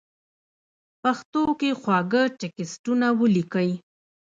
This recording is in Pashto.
پښتو کې خواږه ټېکسټونه وليکئ!!